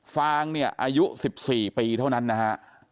ฟางเนี่ยอายุ๑๔ปีเท่านั้นนะฮะ